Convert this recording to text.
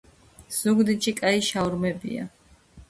ზუგდიდში კაი შაურმებია